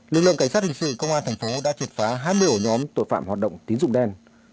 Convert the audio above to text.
lực lượng cảnh sát hình sự công an thành phố đã triệt phá hai mươi ổ nhóm tội phạm hoạt động tín dụng đen